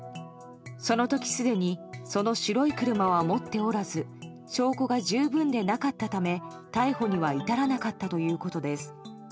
その時すでにその白い車は持っておらず証拠が十分でなかったため逮捕には至らなかったということです。